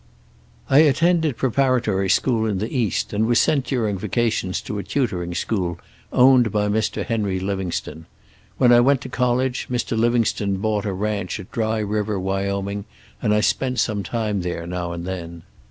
"I attended preparatory school in the East, and was sent during vacations to a tutoring school, owned by Mr. Henry Livingstone. When I went to college Mr. Livingstone bought a ranch at Dry River, Wyoming, and I spent some time there now and then.